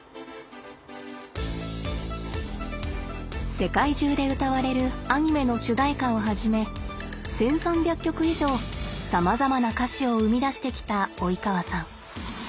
世界中で歌われるアニメの主題歌をはじめ１，３００曲以上さまざまな歌詞を生み出してきた及川さん。